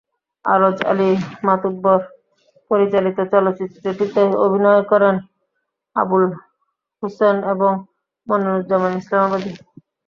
আরজ আলী মাতুব্বর পরিচালিত চলচ্চিত্রটিতে অভিনয় করেন আবুল হুসেন এবং মনিরুজ্জামান ইসলামাবাদী।